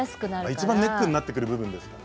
いちばんネックになってくる部分ですからね。